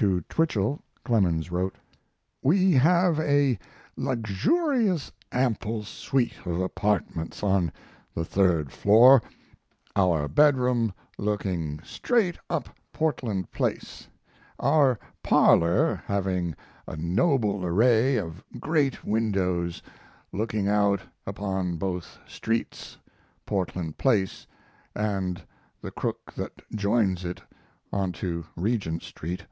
To Twichell Clemens wrote: We have a luxuriously ample suite of apartments on the third floor, our bedroom looking straight up Portland Place, our parlor having a noble array of great windows looking out upon both streets (Portland Place and the crook that joins it onto Regent Street).